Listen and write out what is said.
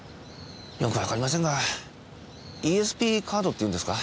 よくわかりませんがＥＳＰカードっていうんですか？